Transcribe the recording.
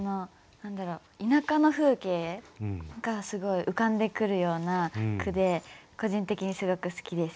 田舎の風景がすごい浮かんでくるような句で個人的にすごく好きです。